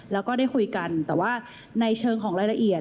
แล้วก็ได้คุยกันแต่ว่าในเชิงของรายละเอียด